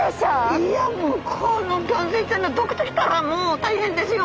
いやもうこのギョンズイちゃんの毒ときたらもう大変ですよ。